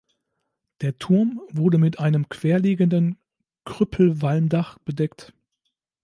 Der Turm wurde mit einem querliegenden Krüppelwalmdach bedeckt.